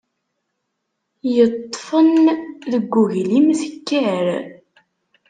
Yeṭṭefen deg uglim tekker.